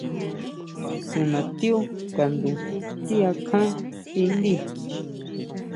Tunatiú kandu ti akján tindíi.